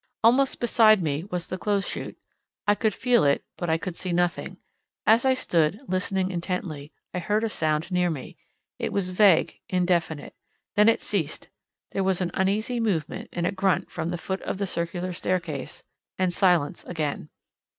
Almost beside me was the clothes chute. I could feel it, but I could see nothing. As I stood, listening intently, I heard a sound near me. It was vague, indefinite. Then it ceased; there was an uneasy movement and a grunt from the foot of the circular staircase, and silence again.